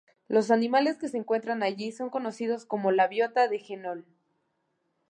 Los animales que se encuentran allí son conocidos como la biota de Jehol.